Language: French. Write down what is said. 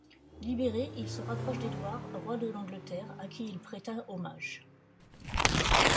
Libéré, il se rapproche d'Edouard, roi de l'Angleterre, à qui il préta hommage.